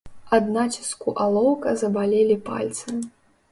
Ад націску алоўка забалелі пальцы.